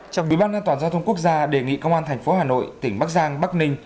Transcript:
trong bí ban an toàn giao thông quốc gia đề nghị công an thành phố hà nội tỉnh bắc giang bắc ninh